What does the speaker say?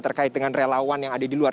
terkait dengan relawan yang ada di luar